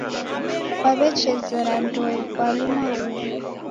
Kwawechezera ndoe kwalua huwu